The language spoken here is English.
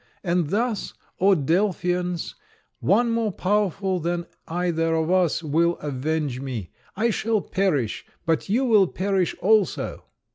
And thus, O Delphians, one more powerful than either of us will avenge me. I shall perish; but you will perish also."